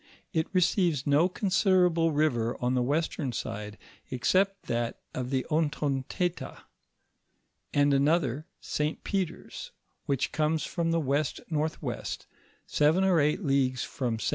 It receives no consider able river on the western side except that of the Otontenta,* and another, St. Peter's,f which comes from the west north west, seven or eight leagues from St. Anthony of Padua's falls.